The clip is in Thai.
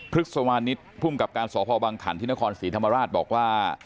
พรึกสวรรณิธช่วงกรางศพบังขันธินครฟิรีธรรมาราชบอกว่า